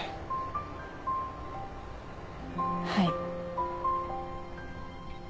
はい。